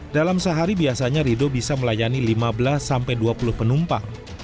dalam sehari biasanya rido bisa melayani lima belas sampai dua puluh penumpang